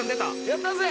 やったぜ！